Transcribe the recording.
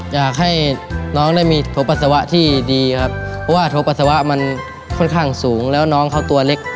อยากให้น้องได้มีตัวปัสสาวะที่ดีครับเพราะว่าโทรปัสสาวะมันค่อนข้างสูงแล้วน้องเขาตัวเล็ก